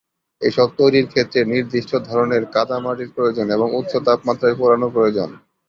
এসব তৈরির ক্ষেত্রে নির্দিষ্ট ধরনের কাদামাটির প্রয়োজন এবং উচ্চ তাপমাত্রায় পোড়ানো প্রয়োজন।